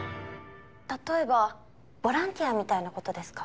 例えばボランティアみたいな事ですか？